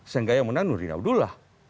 sehingga yang menang nurdin abdullah